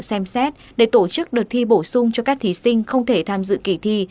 xem xét để tổ chức đợt thi bổ sung cho các thí sinh không thể tham dự kỳ thi